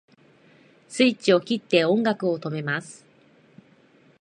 スイッチを切って音楽を止めます